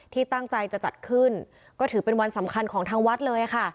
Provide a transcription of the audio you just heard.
ที่ตั้งใจจะจัดขึ้นก็ถือเป็นวันสำคัญของทางวัดเลยค่ะ